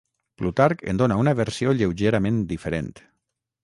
Plutarc en dóna una versió lleugerament diferent.